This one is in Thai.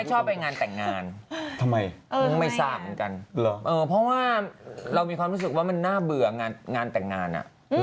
เออเพราะว่าเรามีความรู้สึกว่ามากเบื่องานแต่งงาน